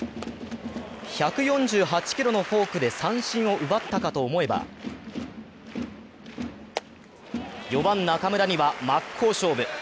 １４８キロのフォークで三振を奪ったかと思えば４番・中村には真っ向勝負。